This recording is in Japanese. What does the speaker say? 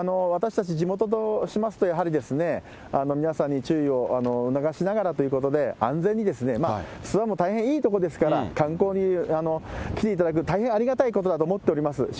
私たち、地元としますと、やはりですね、皆さんに注意を促しながらということで、安全に諏訪も大変いい所ですから、観光に来ていただく、大変ありがたいことだと思っております。